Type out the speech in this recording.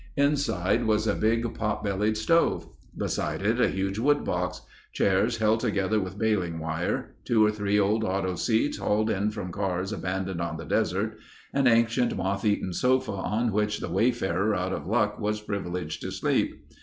Inside was a big pot bellied stove. Beside it, a huge woodbox. Chairs held together with baling wire. Two or three old auto seats hauled in from cars abandoned on the desert. An ancient, moth eaten sofa on which the wayfarer out of luck was privileged to sleep.